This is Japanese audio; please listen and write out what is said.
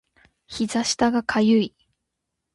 膝下が痒い